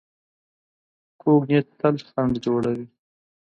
کوږ نیت تل خنډ جوړوي